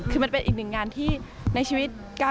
คือมันเป็นอีกหนึ่งงานที่ในชีวิต